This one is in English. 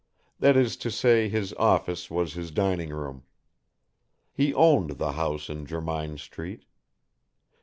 That is to say his office was his dining room. He owned the house in Jermyn Street.